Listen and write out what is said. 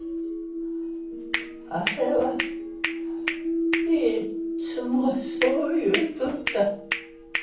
あれはいっつもそう言うとった。